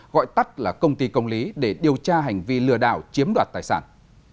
gọi tắt là công ty công lý để điều tra hành vi lừa đảo chiếm đoạt tài sản